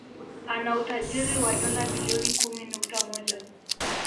Ana utajiri wa dola Bilioni kumi nukta moja